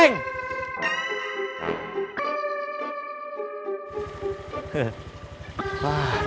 mada di salah ada ya maksudnya